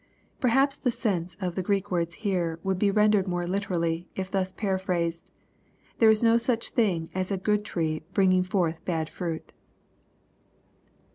] Perhaps the sense of the G reek words here would be rendered more literally, if thus paraphrased, " There is no such thing as a good tree bringing forth bad fruit."